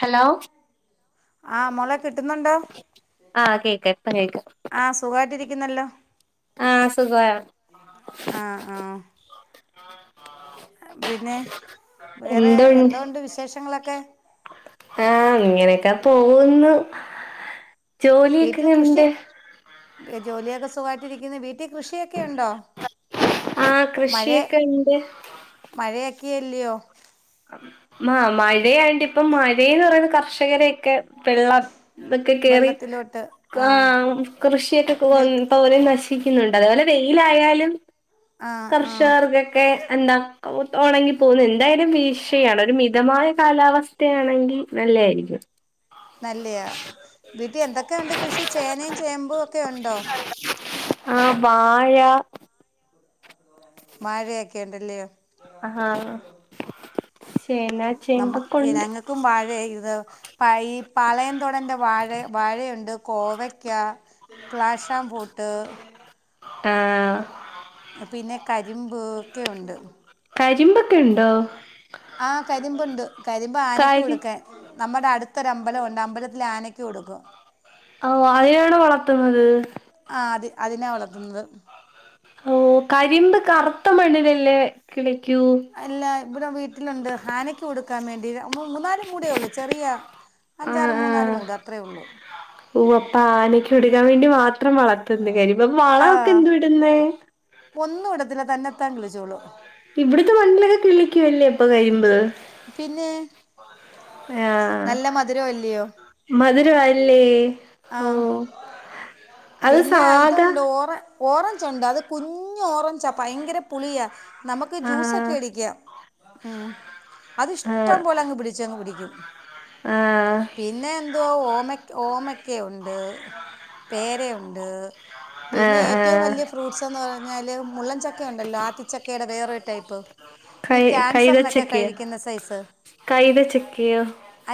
Hello ആ മോളെ കിട്ടുന്നുണ്ടോ ആഹ് കേക്കാം ഇപ്പം ആ സുഖായിട്ടിരി ക്കുന്നല്ലോ ആ സുഖവാ ആ ആ പിന്നെ വേറെ എന്തോണ്ട് വിശേഷങ്ങളൊക്കെ? ആ ഇങ്ങനെ ക്കെ പോകുന്നു ജോലിയൊക്കെ ഇങ്ങനെണ്ട്? ജോലിഒക്കെ സുഖയിട്ടിരിക്കുന്നു വീട്ടിൽ കൃഷിയൊക്കെ ഉണ്ടോ ആഹ് മഴ കൃഷിയൊക്കെ ഉണ്ട് ക്കെല്ലയോ? ആ മഴയായിട്ട ഇപ്പം മഴന്ന് പറയുന്ന കർഷകരക്കെ വെള്ളം ഇതൊക്കെ കേറി ആ കൃഷിയൊക്കെ നിൽക്ക് പോലും നശിക്കുന്നു അതേപോലെ വെയിലായാലും ആ ആ കർഷകർക്കൊക്കെ എന്താ ഉണങ്ങി പോകുന്നു എന്തായാലും വീ ക്ഷയാണ് ഒരു മിതമായ കാലാവസ്ഥയാണെങ്കിൽ നല്ല യായിരിക്കും. നല്ലയാ വീട്ടിൽ എന്തൊക്കെയുണ്ട് കൃഷി ചേനയും ചേമ്പും ഒക്കെ ഉണ്ടോ? ആ വാഴ മഴക്കെണ് ല്ലയോ ആ നമ്മ ഉണ്ട് ഞങ്ങക്കും വാഴ ഇതാ പഈ പളയതൊടന്റെ വാഴ വാഴയുണ്ട് കോവയ്ക്ക പ്ലാഷാം ബൂട്ട് ആഹ് പിന്നെ കരിമ്പ് ഒക്കെയുണ്ട് കരിമ്പ ആഹ കരിമ്പുണ്ട് കരിമ്പ് ആനക്ക് കാര്യം കൊടുക്കൻ നമ്മുടെ അടുത്തൊര അമ്പലംുണ്ട് അമ്പലത്തിൽ ആനക്ക് കൊടുക്കും ഓ അതെയാണ് വളർത്തുന്നത് ആ അത് അതിനാ വളർത്തുന്നത് ഓ കരിമ്പ് കറുത്ത മണ്ണിലല്ലേ കിളി അല്ല ഇവിടെ വീട്ടിലുണ്ട് ആനക്ക് കൊടുക്കാൻ വേണ്ടി മൂന്നാാലല് മൂടയേ ഉള്ളൂ ചെറിയ ആഹ് അഞ്ചാറ് മൂന്നാല് ആഹ് മൂട അത്രേള്ളൂ ഓ അപ്പ ആനക്ക് എടുക്കാൻ വേണ്ടി മാത്രം മാത്രം വളർത്തന്ന് കാര്യ ആ വളൊക്കെ എന്തു വിടുന്ന ഒന്നും ഇടത്തില്ല തന്നെത്താൻ കിളിച്ചോളും ഇവിടത്തെ മണിലൊക്കെ കിളിക്കുവല്ലേ ഇപ്പൊ കരിംമ്പ് പിന്നെ ആഹ നല്ല മധുരം അല്ലയോ മധുരവാല്ലേ ആഹ അത് പിന്നെ സാധാ ഇതുണ്ട് ഓറെ ഓറഞ്ച് ഉണ്ട് അത് കുഞ്ഞ് ഓറഞ്ചാണ് ഭയങ്കര പുളിയാണ് നമുക്ക് ആഹ് ജ്യൂസൊക്കെ അടിക്കാം ഉം ആഹ് അതിഷ്ടം പോലെ അങ്ങ് പിടിച്ച അങ്ങ് പിടിക്കും ആഹ് പിന്നെ എന്തവാ ഓമ ഓമക്കുണ്ട് ഉണ്ട് പിന്നെ ആഹ് ഏറ്റവും ആഹ് വലിയ ഫ്രൂട്ട്സ്ന്ന് പറഞ്ഞാല് മുള്ളൻചക്ക ഉണ്ടല്ലോ ആത്തിച്ചക്കയുടെ വേറൊരു ടൈപ്പ് ഈ കൈ ക്യാൻസറിനൊക്കെ കൈതച്ചക്കെയോ കഴിക്കുന്ന സൈസ് കൈതച്ചക്കെയോ?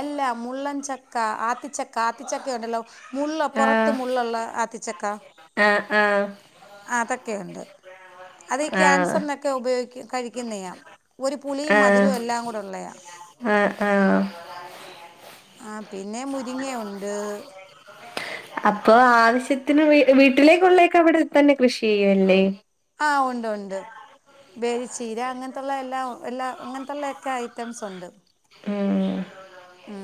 അല്ല മുള്ളൻ ചക്ക ആത്തച്ചക്ക ആത്തച്ചക്ക ഒണ്ടല്ലോ മുള്ള് പൊറത്ത് ആഹ് മുള്ളൊള്ള ആത്തച്ചക്ക. ആഹ് ആഹ് ആ അതെക്കെണ്ട് അതീ ആഹ് ക്യാൻസർന്നക്കെ ഉപയോ കഴിക്ക്‌ന്നെയാം. ഒരു പുളിയും മധുരോം ആഹ് എല്ലാം കൂടെ ഒള്ളയാ. ആഹ് ആഹ് ആ പിന്നെ മുരിങ്ങയൊണ്ട്. അപ്പൊ ആവശ്യത്തിന് വീ വീട്ടിലേക്കൊള്ളെക്കെ അവിടെ തന്നെ കൃഷി ചെയ്യുവല്ലേ? ആ ഒണ്ടൊണ്ട്. ബേരി ചീര അങ്ങൻത്തൊള്ളെ എല്ലാ എല്ലാ അങ്ങൻത്തൊള്ളെക്കെ ഐറ്റംസ് ഒണ്ട്. ഉം ആ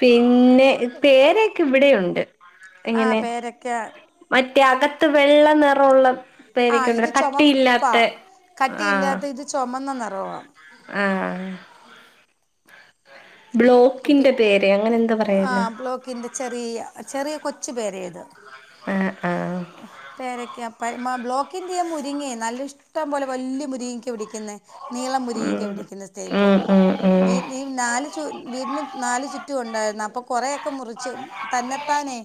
പിന്നെ പേരക്കെ ഇവിടെണ്ട്. ആ പേരക്ക. ക്കാകത്ത് വെള്ളനെറോള്ളത് ആ ഇത് പേരക്കണ്ടല്ലോ ചുമപ്പാ കട്ടിയില്ലാത്തെ ആ കട്ടിയില്ലാത്ത ഇത് ചുമന്ന നിറമാണ് ആ ക്കുപ്പി പേര് അങ്ങനെ എന്തോ ആ പറയല്ലോ ബ്ലോക്കിന്റെ ചെറിയ ചെറിയ കൊച്ചു പേരേയത്. ഏ പേരേക്ക അപ്പയ്മ്മ ബ്ലോക്ക് ക്കിന്റെയാ മുരിങ്ങെ നല്ല ഇഷ്ടം പോലെ വല്ല്യ മുരിങ്ങക്ക പിടിക്കുന്നേ നീളം മുരിങ്ങക്ക പിടിക്കുന്ന ടേപ്പ് ഉം ഉം ഉം ഉം വീട്ട് ഈ നാല് ചുവ വീട്ട്ന് നാല് ചുറ്റുവൊണ്ടാര് ന്നപ്പൊ കൊറേയൊക്കെ മുറിച്ച് തന്നത്താനേ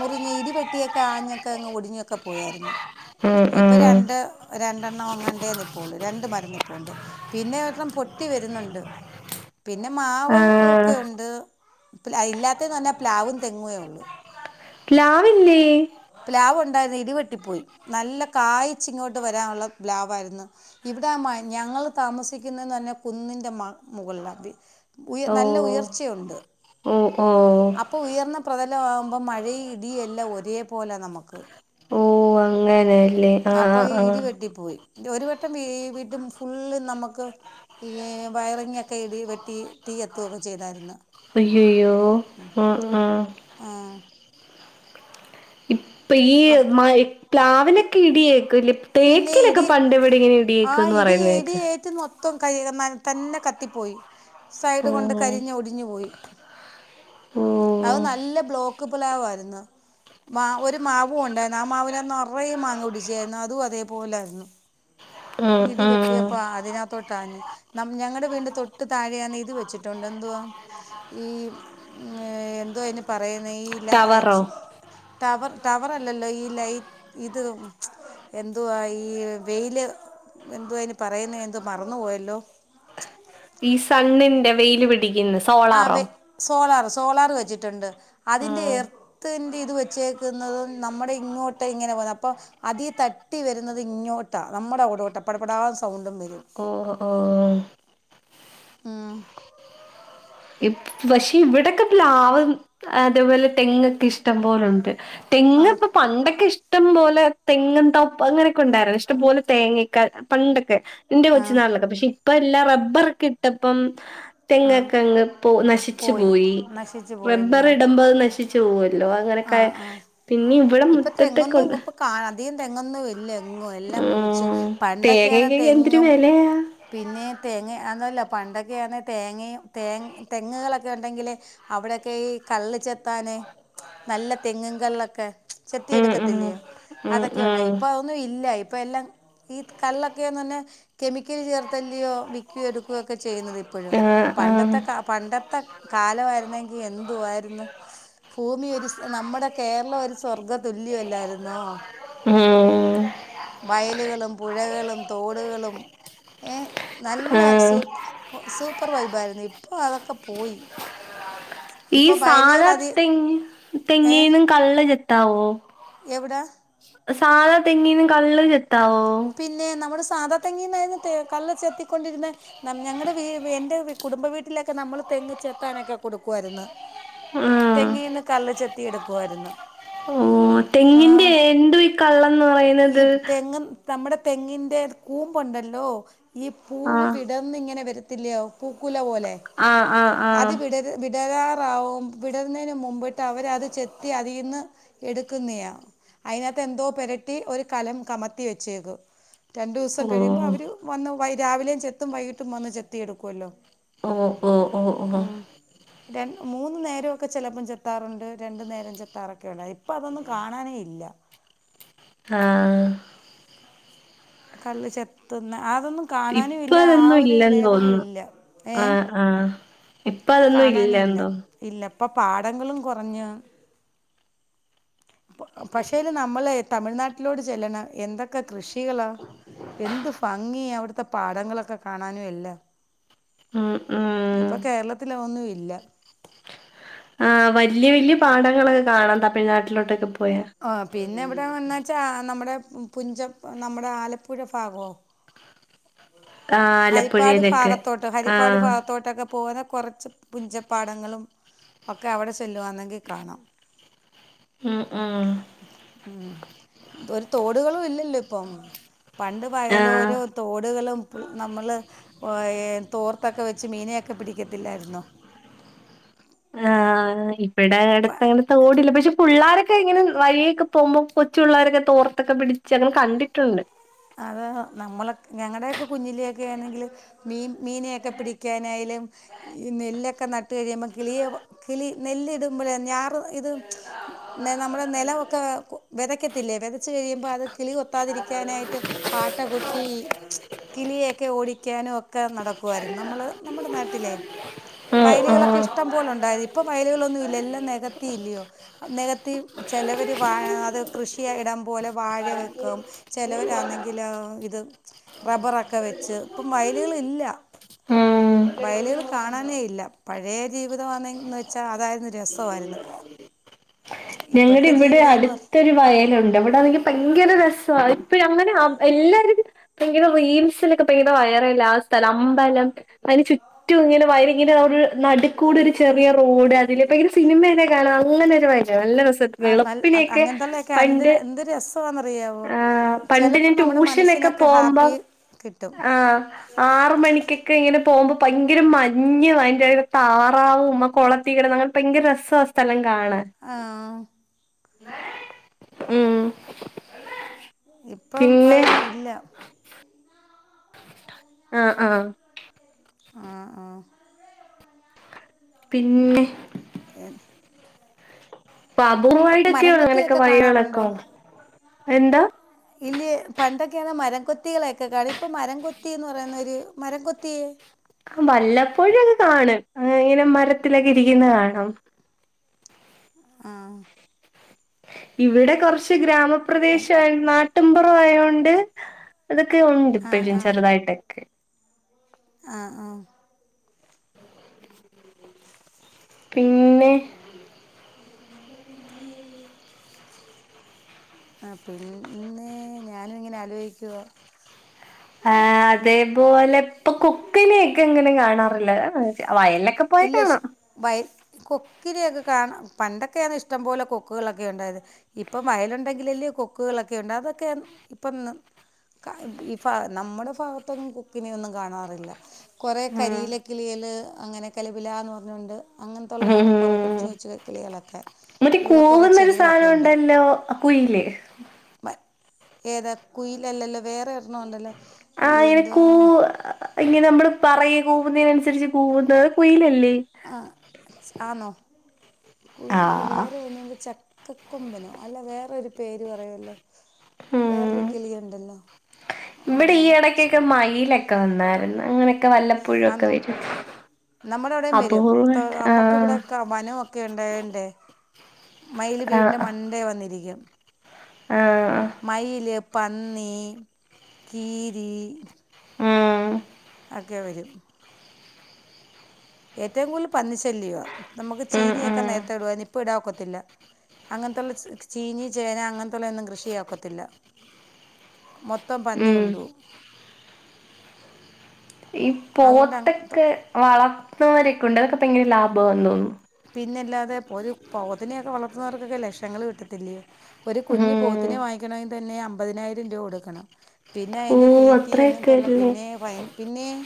മുറിഞ്ഞ് ഇടിവെട്ടിയൊക്കെ ആഞ്ഞ് ക്കങ്ങ് ഒടിഞ്ഞുവൊക്കെ പോയാര്ന്ന്‌. ഉം ഇപ്പം ഉം രണ്ട് രണ്ടെണ്ണം അങ്ങാണ്ടേ നിപ്പോള്ളൂ രണ്ട് മരം നിപ്പോണ്ട് പിന്നെ ഒരണ്ണം പൊട്ടി വെരുന്നുണ്ട് പിന്നെ മാവ് ആഹ് ഒക്കെയൊണ്ട്. ഇല്ലാത്തേന്ന് പറഞ്ഞാ പ്ലാവും തെങ്ങുവേ ഒള്ളു. പ്ലാവില്ലേ? പ്ലാവൊണ്ടായിരുന്നു ഈ ടിവെട്ടിപ്പോയി നല്ല കായച്ച് ഇങ്ങോട്ട് വരാള്ള പ്ലാവായിരുന്നു ഇവിടെ ആ മാ ഞങ്ങള് ത മസിക്കുന്നേന്നറഞ്ഞ കുന്നിൻ്റെ മ മുകൾലാ ഉ ഓ നല്ല ഉയർച്ചയുണ്ട്. ഓ ഓ അപ്പൊ ഉയർന്ന പ്രതലാവുമ്പ മഴേം ഇടിം എല്ലാം ഒരേ ഓ അങ്ങനെല്ലേ? ആഹ് അപ്പ ഈ ആഹ് ആഹ് ഇടിവെട്ടി പോയി ഒരു വട്ടം വീ വീട്ടും ഫുള്ള് നമ്മക്ക് ഈ വയറിങ്ങക്കെ ഇടി വെട്ടി തീ കത്തുവൊക്കെ ചെയ്താര്ന്ന്‌. അയ്യോയ്യോ ഉം ഉം ഉം. ഇപ് ഇപ്പീയ് അപ്- മ പ്ലാവിലക്കെടിയേക്ക്‌ല്ലേ പിന്നെ തേക്കിലക്കെ ഇടി പണ്ട് ഇവിടെങ്ങനെ ഇടിയേക്കന്ന് പറ റയുന്നേക്കാം. തോം കഴിയണ മരം തന്നെ കത്തി പോയി സൈഡ് ഓ കൊണ്ട് കരിഞ്ഞ് ഒടിഞ്ഞു പോയി. ഓ അത് നല്ല ബ്ലോക്ക് പ്ലാവായിരുന്ന്‌. മാ ഒരു മാവുണ്ടായിരുന്നു ആ മാവിനെ നെറയെ മാങ്ങ പിടിച്ചായിരുന്നു അതും അതേപോലായിരുന്നു. ഉം ഇടി ഉം വെട്ടിയപ്പോ അതിനാത്തൊട്ടാഞ്ഞ്. നം ഞങ്ങളടെ വീടിന്റെ തൊട്ട് താഴെയാന്ന് ഇത് വെച്ചിട്ടുണ്ട് എന്തുവാ ഈ എന്തോ അയിന് പറയുന്നേ ഈ ലാ ടവറോ ടവർ ടവറല്ലല്ലോ ഈ ലൈറ്റ് ഇത് എന്തുവാ ഈ വെയില് എന്തോ അയിന് പറയുന്നേ എന്തോ മറന്നു പോയല്ലോ. ഈ സണ്ണിന്റെ വെയില് പിടിക്കിന്ന് സോളാറോ? സോളാറ് വെച്ചിട്ടൊണ്ട് അതിന്റെ ഉം എർത്ത് ഇത് വെച്ചേക്കുന്നത് നമ്മടെ ഇങ്ങോട്ടിങ്ങനെ പോന്ന അപ്പം അതി തട്ടി വെരുന്നത് ഇങ്ങോട്ടാണ്. നമ്മടെ അവടോട്ട് പടപടാ സൗണ്ട് ഓ അപ്പോ ആ പക്ഷേ ഇവിടെക്കെ പ്ലാവും അതേപോലെ തെങ്ങൊക്കെ ഇഷ്ടം പോലുണ്ട് തെങ്ങങ് ഇപ്പൊ ആ പണ്ടൊക്കെ ഇഷ ഇഷ്ടംപോലെ തെങ്ങും തോപ്പ് അങ്ങനെയൊക്കെ ഉണ്ടായിരുന്നു ഇഷ്ടംപോലെ തേങ്ങഒക്കെയേ പണ്ട് ഇന്റെ ആ കൊച്ചുനാളിലൊക്കെ പക്ഷെ ഇപ്പ എല്ലാം റബ്ബറോക്കെ ഇട്ടപ്പം തെ ആ ങ് പോ നശിച്ചു പോയി റബ്ബർ ഇടുമ്പോ നശിച്ചു പോവല്ല ആഹ ആഹ ഇപ്പൊ മുറ്റത്തൊക്കെ തെങ്ങൊന്നും ഉണ്ട്. ഇപ്പൊ കാ അധികം തെങ്ങൊന്നും ഇല്ല തെങ്ങും എല്ലാം മുറിച്ച് ഉം പണ്ടൊക്കെയാണെകിൽ തേങ്ങക്കൊക്കെ എന്തൊരു തെങ്ങും വെലയാ. തെങ്ങയ അതോന്നല്ല പണ്ടൊക്കെയാണേ തേങ്ങിമ് തെങ്ങുകളൊക്കെ ഉണ്ടെങ്കിൽ അവിടെയൊക്കെ ഈ കള്ള് ചെത്താനെ നല്ല തെങ്ങും കള്ളക്കെ ചെത്തി ഉം ഉം എടുക്കത്തില്ലയോ ഉം അതൊക്കെ ഉം ഉണ്ടായിരുന്നു ഇപ്പൊ അതൊന്നും ഇല്ല ഇപ്പ എല്ലാം ഈ കള്ള്ക്കെന്ന് പറഞ്ഞ കെമിക്കൽ ചേർത്തല്ലയോ വിക്കുകയോ എടുക്കുകയോ ഒക്കെ ചെയ്യുന്നത് ഇപ്പോഴും ആഹ് പണ്ടത്തെ ആഹ് കാ പണ്ടത്തെ ക കാലമായിരുന്നെങ്കിൽ എന്തു ആയിരുന്നു ഭൂമി ഒരു നമ്മുടെ കേരളം ഒരു സ്വർഗ്ഗ തുല്യല്ലായിരുന്നോ ഉം വയലുകളും പുഴകളും തോടുകളും നല്ല ആഹ് സൂ സൂപ്പർ വൈബ് ആയിരുന്നു ഇപ്പൊ അതൊക്കെ പോയി ഈ ഇപ്പോൾ വയലുകൾ സാധാ അതി ഏ തെങ്ങിന്നും കള്ള് ചെത്താവോ എവിടാ സാധ തെങ്ങീന്നും കള്ള് ചെത്ത പിന്നെ നമ്മുടെ സാദാ തങ്ങിന്നായിരുന്നു കള്ള ചെത്തിക്കൊണ്ടിരുന്ന ഞങ്ങളുടെ എന്റെ കുടുംബ വീട്ടിലൊക്കെ നമ്മൾ തെങ് ചെത്താനൊക്കെ കൊടുക്കായിരുന്നു ആഹ് തെങ്ങീന്ന് കല്ല് ചെത്തി എടുക്കുായിരുന്നു ഓ തെങ്ങിന്റെ എന്തുവാ ഈ കള്ളന്ന് ഈ പറയുന്നത് തെങ്ങ് നമ്മുടെ തെങ്ങിന്റെ കൂമ്പുണ്ടല്ലോ ഈ പൂവ് ആഹ് വിടന്ന് ഇങ്ങനെ വരത്തില്ലയോ പൂക്കുല പോലെ ആഹ് ആഹ് അത് ആഹ് വിടര് വിടരാ വിടരുന്നതിന് മുമ്പിട്ട് അവര് അത് ചെത്തി അതിൽന്ന് എടുക്കുന്നയാണ് അതിനകത്ത് എന്തോ പരട്ടി ഒരു കലം കമത്തി വെക്കു രണ്ടുദിവസം കഴിയുമ്പോ ഓഹ് അവര് വന്ന് രാവിലെയും ചെത്തും വൈകീട്ടും വന്ന് ചെത്തിയ എടുക്കുവല്ലോ ഓ ഓ ഓ ര മൂന്നു നേരമ ഒക്കെ ചിലപ്പോം ചെത്താറുണ്ട് രണ്ടു നേരകെ ചെത്താറൊക്കെ ഉണ്ട് അ അപ്പൊ അതൊന്നും കാണാനേ ഇല്ല ആ കള്ള് ചെത്തുന്ന അതൊന്നും കാണാനും ഇപ്പ ഇല്ല ആ അതൊന്നും ഒരു ഇല്ലെന്ന് ലേവലും തോന്നുന്നു ഇല്ല ഏ ആഹ് ആഹ് ഇപ്പ അതൊന്നും ഇല്ലന്തോ ഇപ്പ പാടങ്ങളും കുറഞ്ഞ് പക്ഷേൽ നമ്മള് തമിഴ്നാട്ടിലോട് ചെല്ലണം എന്തൊക്കെ കൃഷികളാ എന്ത് ഭംഗി അവിടുത്തെ പാടങ്ങളൊക്കെ കാണാനും എല്ലാം ആ ഇപ്പൊ കേരളത്തില അ ഒന്നും ഇല്ല ആ വലിയ വലിയ പാഠങ്ങളൊക്കെ കാണാം തമിഴ്നാട്ടിലോട്ടൊക്കെ പോയാ ആ പിന്നെ ഇവിടെ വന്നച്ചാ നമ്മുടെ പുഞ്ചം നമ്മുടെ ആലപ്പുഴ ഭാഗോ ആഹ് ഹരിപ്പാട് ആലപ്പുഴയിലൊക്കെ ഭാഗത്തോട്ട് ഹരിപ്പാട് ആഹ് ഭാഗത്തോട്ടൊക്കെ പോകുന്ന കുറച്ച് കുഞ്ചപ്പാടങ്ങളും ഒക്കെ അവിടെ ചെലുവാന്നെങ്കിൽ കാണാം അ ആ ഉം ഒരു തോടുകളും ഇല്ലല്ലോ ഇപ്പം പണ്ട് ആഹ് വയലോരോ തോടുകളും. നമ്മള് തോർത്തൊക്കെ വെച്ച് മീനയൊക്കെ പിടിക്കത്തില്ലായിരുന്നോ? ആ ഇവിടെ അടുത്ത് അങ്ങനെ തൊടില്ല പക്ഷെ പിള്ളാരൊക്കെ ഇങ്ങനെ വഴിയൊക്കെ പോകുമ്പോ കൊ ച്ചു പിള്ളാരൊക്കെ തോർത്തൊക്കെ പിടിച്ച് ങ്ങ കണ്ടിട്ടുണ്ട്. അത നമ്മളെ ഞങ്ങളക് കുഞ്ഞിലൊക്കെ ആണെങ്കിൽ മീൻ മീനൊക്കെ പിടിക്കാനായാലും ഈ നെല്ലൊക്കെ ന കളിയോ കളി നെല്ലിടുമ്പോ ഞാ ഇ നമ്മുടെ നിലൊക്കെ വിതക്കതില്ലേ? ച്ചു കഴിയുമ്പോ അത് കിളി കൊത്താരിക്കാനായിട്ട് പാട്ടകൊ ട്ടി കിളയൊക്കെ ഓടിക്കാനും ഒക്കെ നടക്കുവായിരുന്നു നമ്മള് നമ്മുടെ നാട്ടിലെ. ഉം വയലുകളൊക്കെ ഉം ഇഷ്ടം പോല ഉണ്ടായത് ഇപ്പൊ വയലുകളൊന്നും ഇല്ല എല്ലാം നികത്തി ഇല്ലയോ നികത്തി ചിലവർ വഅത കൃഷിയായിടാം. പോലെ വാഴ വെക്കാം ചിലരാണെങ്കിൽ ഇത്. റബ്ബറൊക്കെ വെച്ച് ഇപ്പം വയലുകളില്ല. ഉം വയലുകള് കാണാനേ ഇല്ല പഴേ ജീവിതംമാന്നന്ന് വെച്ചാ അതായിരുന്നു രസവായിരുന്നു. ഞങ്ങുടെ ഇവിടെ അടുത്തൊരു വയലുണ്ട് ഇവിടൊണെങ്കി ഭയങ്കര രസയി. അ അങ്ങനെ എല്ലാരും ഭയങ്കര റീൽസിലൊക്കെ ഭയടെ വയറല്ല ആ സ്ഥലം അമ്പലം. അതിന് ചുറ്റും ഇങ്ങനെ വയ ഇങ്ങനെ നട് ക്കൂടെരു ചെറിയ റോഡ് അതില് ഇ സിനിമയൊക്കെ കാണാ. അങ്ങനെ ഒരു നല്ലരസ നല്ല വെളുപ്പിനോക്കെ അങ്ങനത്തുള്ളതൊക്കെ എന്ത് പണ്ട് എന്ത് രസമാണെന്നറിയാമോ ആ പണ്ട് ഞാൻ ചിലപ്പം നമ്മുടെ റ്റു ഷനൊകം മനസ്സിനൊക്കെ ഹാപ്പി പോവുമ്പം കിട്ടും ആറ് മണിക്കക്കെ ഇങ്ങനെ പോകുമ്പോ ഭയങ്കര മഞ്ഞ് ഭയങ്കര താറാവും ആ കൊള തീ കിടന്നഅങ്ങനെ ഭയങ്കര രസ ആ സ്ഥലം കാ കാണാൻ ആ. ഉം. ഇപ്പം പിന്നെ അതൊന്നും ഇല്ല. ആ ആ. ആ ആ പിന്നെ ഏന്ന് [unintelligible] എന്താ ഇല്ല് പണ്ടക് ക്യോന്ന്ആ മരകൊത്തികളെകെ കാള് ഇപ്പം മരം തൊത്തി എന്ന് പറയ്ന്നൊര് മരംകൊത്തിയേ ആ വല്ലപ്പോഴൊക്കെ കാണും ഇങ്ങനെ മരത്തിലക്കെ ഇരിക്ക്ന്ന് കാണും. ആഹ് ഇവിടെ കൊറച്ച് ഗ്രാമപ്രദേശ്‌യാ അയിന് നാട്ട്മ്പൊറം ആയോണ്ട് അതെക്കെ ഉണ്ട് ഇപ്പഴും ചെറ്തായ്ട്ടൊക്കെ ആ ആ പിന്നെ ആ പിന്നെ ഞാനും ഇങ്ങനെ ആ ലൊയ്കുവാ ആ അതേപോലെ ഇപ്പൊ കുക്കിനെക്കെ ഇങ്ങനെ കാണാറില്ല [unintelligible] വയൽലൊക്കെ ഇല്ല പോയാകാണാം വയൽ കൊക്കിനെയൊക്കെ കാണ പണ്ടൊക്കെയാണ് ഇഷ്ടം പോലെ കൊക്കുകളൊക്കെ ഉണ്ടായത് ഇപ്പം വയലുണ്ടെങ്കിലല്ലേ കൊക്കുകളെക്കെയുണ്ട് അതൊക്കെന് ഇപ്പൊന്ന് കഹ് ഇ ഫഹ് നമ്മുടെ ഫാഗത്തൊന്നും കുക്കിനെയൊന്നും കാണാറില്ല. കൊറേ ഉം കരിയില കിളിയള് അങ്ങനെ കല പിലാന്ന് പറഞ്ഞോണ്ട് അങ്ങൻതൊള്ളേ കൊറെ കൊച്ചു ഉം കൊച്ചു കിളികളെക്കെ മറ്റേ ഇവിടെ കൂവുന്നൊരു കൊറെചെടികളൊക്കെ സാധനം ഉണ്ട്. ഉണ്ടല്ലോ കുയില് വ- ഏതാ കുയിലല്ലല്ലോ വേറെ ഒരെണം ഉണ്ടല്ലോ ആ ഈ എനിക്കൂ എന്തുവാ ഇങ്ങനെ നമ്മള് പറയ് കൂവുന്നതിനന്നുസരിച്ച് കൂവുന്നത് കുയിലല്ലേ ആ സ് ആന്നോ കുയിലല്ല ആഹ് വേറെ എന്താ ചക്കക്കൊമ്പനോ അല്ല വേറൊരു പേര് പറയുല്ലോ വേറെറ് കിളിയ്ണ്ടല്ലോ ഇമ്ടെ ഈ എടയ്ക്കെക്കെ മയ്ലെക്കെ വന്നായ്ര്ന്ന് അങ്ങനെയെക്കെ വല്ലപ്പൊഴൊക്കെ വരും നമ്മടെ അവിടെം വെരും പ്പൊ അപൂർവ്വമായിട്ട് അമ്മക്ക് ആഹ് ഇവ്ടെക്ക വനവൊക്കെ ഉണ്ടായോണ്ടെ മയില് വീട്ന്റെ മണ്ടേ വന്നിരിക്കും ആ അ പന്നീ കീരീ ഉം അക്കെ വരും ഏറ്റവും കൂട്തൽ പന്നിശല്യവാ നമുക്ക് ഉം ചീനിയൊക്കെ ഉം നേരത്തെ ഇടുവാര്ന്നു ഇപ്പം ഇടാ ഒക്കത്തില്ല അങ്ങൻത്ത്ള്ളച് ചീനി ചേന അങ്ങൻത്തുള്ള ഒന്നും കൃഷി ചെയ്യാ ഒക്കത്തില്ല മൊത്തം പന്നി ഉം കൊണ്ടോവും പോത്തെക്കെ വളർത്ത്ന്വരെക്കുണ്ട് അതൊക്കെ പ്പങ്ങന ലാഭാന്ന് തോന്നുന്നു പിന്നല്ലാതെ പൊരു പോത്തിനെയൊക്കെ വളർത്തുന്നവർക്കൊക്കെ ലക്ഷങ്ങള് കിട്ടത്തില്ലേ ഒരു കുഞ്ഞ് ഉം പോത്തിനെ വാങ്ങിയ്ക്ക്ണവെങ്കി തന്നെ അമ്പതിനായിരം രൂവ കൊടുക്കണം പിന്നെ അ ഓ ദ്ന്റെ തീറ്റി അങ്ങൻത്തുള്ള അത്രയൊക്കെല്ലേ പിന്നെ ഭയ് പിന്നീം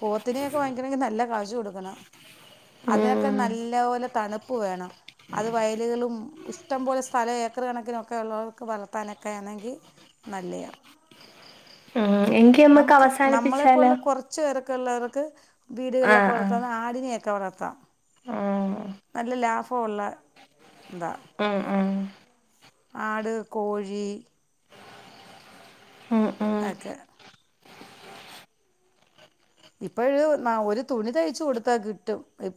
പോത്തിനെയൊക്കെ വാങ്ങിക്കണങ്കി നല്ല കാശു കൊടുക്കണം അത് ഉം നല്ല പോലെ തണുപ്പ് വേണം അത് വയല്കളും ഉഷ്ടംപോലെ സ്ഥലം ഏക്കറ് കണക്കിനൊക്കെ [unintelligible] വളർത്താനൊക്കെ ആണെങ്കി നല്ലയ ഉം എങ്കിമ്മക്ക് അവസാനിപ്പിച്ചാലോ ക്ക്ള്ളോർക്ക് വീട്കള്ലെക്കെ ആഹ് ആഹ് വളർത്താവുന്ന ആടിനെയെക്കെ വളർ ത്ത ആഹ് നല്ല ലാഫോവൊള്ള ഇതാ ആഹ് ആഹ് ആട് കോഴീ ആഹ് ആഹ് അക്കെ ഇപ്പഴ് ന ഒരു തുണി തയ്ച്ചു കൊടുത്താ കിട്ടും